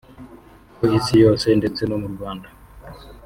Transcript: Ku isi yose ndetse no mu Rwanda